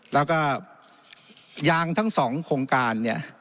แล้วก็ยางทั้งสองโครงการ